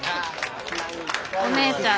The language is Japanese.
お姉ちゃん